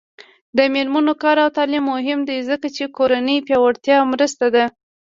د میرمنو کار او تعلیم مهم دی ځکه چې کورنۍ پیاوړتیا مرسته ده.